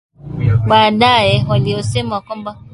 lakini baadaye akawaogopa waliosema kwamba Mpagani asiingie katika